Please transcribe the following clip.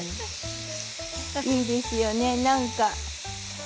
いいですよね、なんか。